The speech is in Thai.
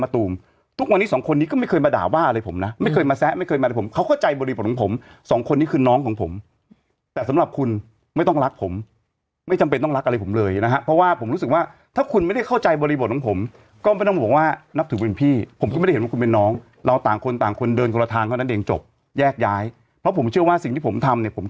ตูมทุกวันนี้สองคนนี้ก็ไม่เคยมาด่าว่าอะไรผมนะไม่เคยมาแซะไม่เคยมาอะไรผมเขาเข้าใจบริบทของผมสองคนนี้คือน้องของผมแต่สำหรับคุณไม่ต้องรักผมไม่จำเป็นต้องรักอะไรผมเลยนะฮะเพราะว่าผมรู้สึกว่าถ้าคุณไม่ได้เข้าใจบริบทของผมก็ไม่ต้องบอกว่านับถือเป็นพี่ผมก็ไม่ได้เห็นว่าคุณเป็นน้องเราต่างคนต่างคนเดินคนละทางเท่านั้นเองจบแยกย้ายเพราะผมเชื่อว่าสิ่งที่ผมทำเนี่ยผม